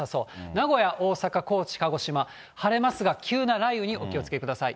名古屋、大阪、高知、鹿児島、晴れますが、急な雷雨にお気をつけください。